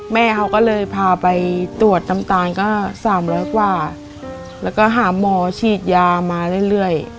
แม่เขาก็เลยพาไปตรวจน้ำตาลก็๓๐๐กว่าแล้วก็หาหมอฉีดยามาเรื่อย